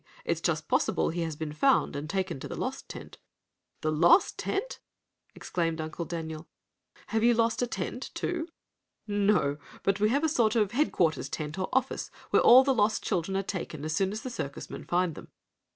It's just possible he has been found and taken to the lost tent." "The lost tent!" exclaimed Uncle Daniel. "Have you lost a tent, too?" "No, but we have a sort of headquarters tent, or office, where all lost children are taken as soon as the circus men find them.